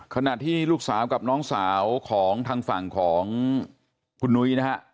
ขณะที่ลูกสาวกับน้องสาวของทางฝั่งของคุณนุ้ยนะฮะ